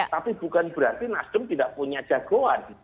tapi bukan berarti nasdem tidak punya jagoan